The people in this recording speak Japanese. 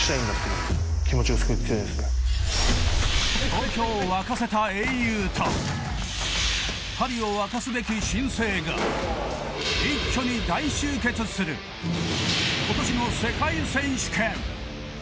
東京を沸かせた英雄とパリを沸かすべき新星が一挙に大集結する今年の世界選手権。